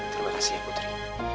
terima kasih ya putri